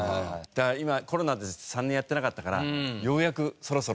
今コロナで３年やってなかったからようやくそろそろ立てられる。